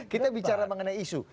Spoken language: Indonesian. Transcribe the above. kita bicara mengenai isu